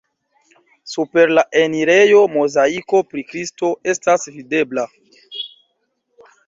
Super la enirejo mozaiko pri Kristo estas videbla.